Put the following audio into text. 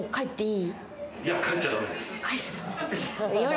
いや帰っちゃ駄目です。